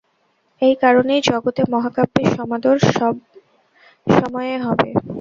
এই কারণেই জগতে মহাকাব্যের সমাদর সব সময়ে হবে।